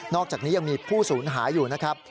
อกจากนี้ยังมีผู้สูญหายอยู่นะครับ